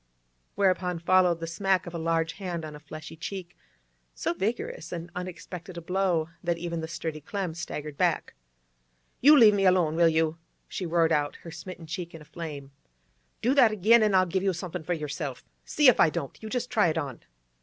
Whereupon followed the smack of a large hand on a fleshy cheek, so vigorous and unexpected a blow that even the sturdy Clem staggered back. 'You leave me alone, will you?' she roared out, her smitten cheek in a flame. 'Do that again, an' I'll give you somethin' for yerself! See if I don't! You just try it on!